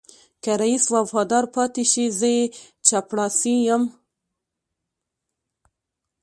که رئيس وفادار پاتې شي زه يې چپړاسی یم.